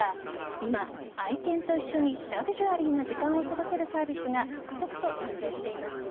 今、愛犬と一緒にラグジュアリーな時間を過ごせるサービスが続々と誕生しています。